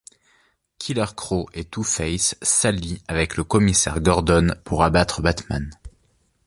Killer Croc et Two-Face s'allient avec le commissaire Gordon pour abattre Batman.